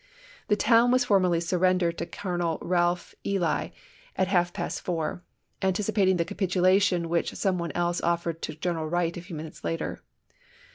The town was formally sur rendered to Colonel Ralph Ely at half past four, anticipating the capitulation which some one else offered to General Wright a few minutes later.